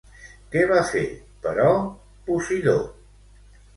Què va fer, però, Posidó?